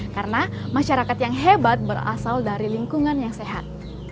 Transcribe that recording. karena masyarakat yang hebat berasal dari lingkungan yang sehat